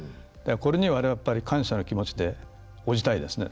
これには、やっぱり感謝の気持ちでおりたいですね。